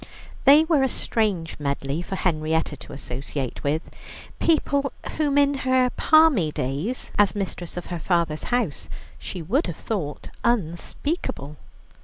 They were a strange medley for Henrietta to associate with, people whom in her palmy days, as mistress of her father's house, she would have thought unspeakable.